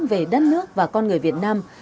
về đất nước và con người việt nam